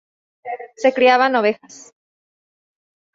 Se criaban ovejas.